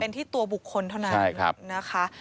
เป็นที่ตัวบุคคลเท่านั้นใช่ครับนะคะ